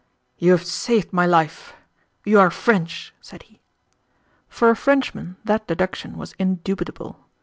"You have saved my life. You are French," said he. For a Frenchman that deduction was indubitable.